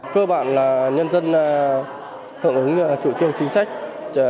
cơ bản là nhân dân hưởng ứng chủ trương chính sách